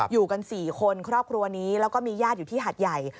อยู่กัน๔คนครอบครัวนี้แล้วก็มีญาติอยู่ที่หาดใหญ่